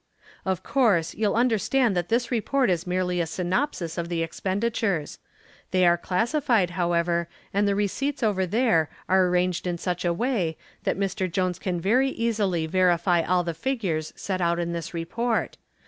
"Of course, you'll understand that this report is merely a synopsis of the expenditures. They are classified, however, and the receipts over there are arranged in such a way that Mr. Jones can very easily verify all the figures set out in the report.